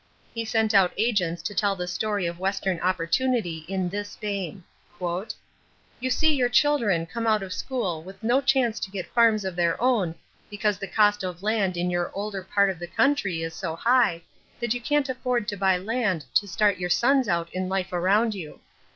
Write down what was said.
He sent out agents to tell the story of Western opportunity in this vein: "You see your children come out of school with no chance to get farms of their own because the cost of land in your older part of the country is so high that you can't afford to buy land to start your sons out in life around you.